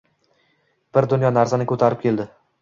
Bir dunyo narsani koʻtarib keldi.